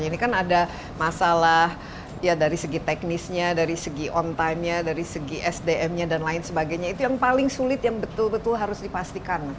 jadi karena ada masalah ya dari segi teknisnya dari segi on time nya dari segi sdm nya dan lain sebagainya itu yang paling sulit yang betul betul harus dipastikan